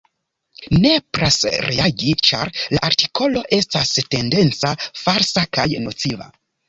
Nepras reagi, ĉar la artikolo estas tendenca, falsa kaj nociva.